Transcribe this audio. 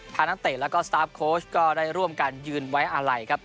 นักเตะแล้วก็สตาร์ฟโค้ชก็ได้ร่วมกันยืนไว้อาลัยครับ